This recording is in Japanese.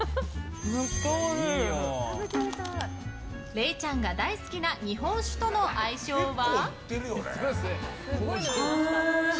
れいちゃんが大好きな日本酒との相性は？